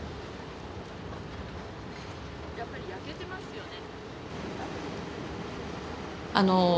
やっぱり焼けてますよね。